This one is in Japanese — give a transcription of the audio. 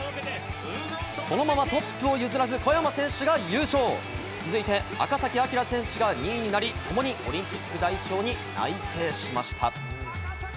そのままトップを譲らず、小山選手が優勝、続いて赤崎暁選手が２位になり、ともにオリンピック代表に内定しました。